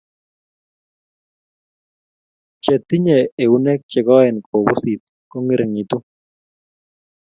Che tinyei eunek che koen kou pusit kongeringitu